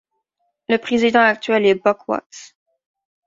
Le président actuel est Buck Watts.